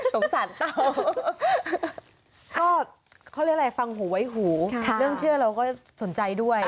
สารเต้าก็เขาเรียกอะไรฟังหูไว้หูเรื่องเชื่อเราก็สนใจด้วย